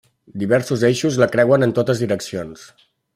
Diversos eixos la creuen en totes direccions.